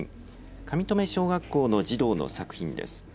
上富小学校の児童の作品です。